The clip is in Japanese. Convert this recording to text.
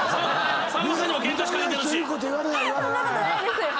そんなことないですよ。